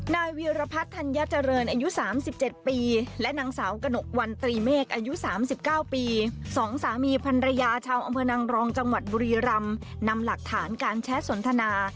นางรองจังหวัดบุรีรัมนำหลักฐานการแชร์สนทนา